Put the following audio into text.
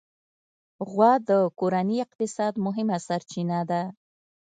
غوا د کورني اقتصاد مهمه سرچینه ده.